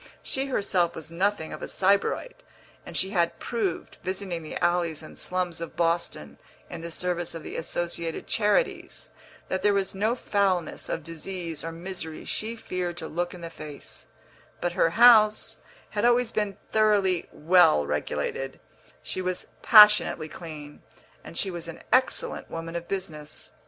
She herself was nothing of a sybarite, and she had proved, visiting the alleys and slums of Boston in the service of the Associated Charities, that there was no foulness of disease or misery she feared to look in the face; but her house had always been thoroughly well regulated, she was passionately clean, and she was an excellent woman of business.